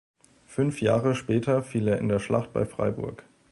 Fünf Jahre später fiel er in der Schlacht bei Freiburg.